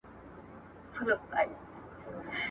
که روان لوستل وي نو اوریدونکی نه ځوریږي.